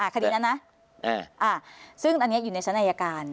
คดีนั้นนะซึ่งอันนี้อยู่ในชั้นอายการ